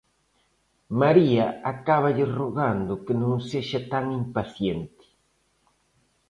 María acáballe rogando que non sexa tan impaciente.